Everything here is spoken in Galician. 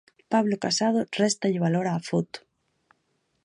Pablo Casado réstalle valor á foto.